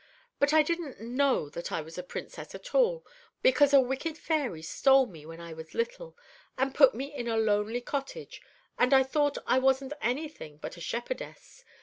But I didn't know that I was a Princess at all, because a wicked fairy stole me when I was little, and put me in a lonely cottage, and I thought I wasn't any thing but a shepherdess.